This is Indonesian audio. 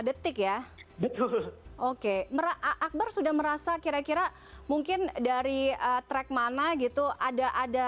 detik ya betul oke merah akbar sudah merasa kira kira mungkin dari track mana gitu ada ada